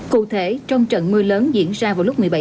cụ thể trong trận mưa lớn diễn ra vào lúc mưa